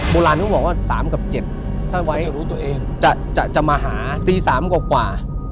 โบราณต้องบอกว่า๓กับ๗ถ้าไว้จะมาหา๔๓กว่า